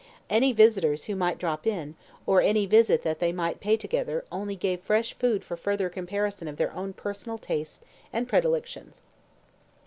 Any visitors who might drop in, or any visit that they might pay together only gave fresh food for further comparison of their own personal tastes and predilections.